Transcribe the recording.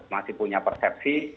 masih punya persepsi